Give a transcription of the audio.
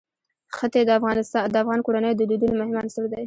ښتې د افغان کورنیو د دودونو مهم عنصر دی.